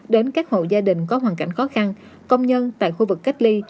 đến các hộ gia đình có hoàn cảnh khó khăn công nhân tại khu vực cách ly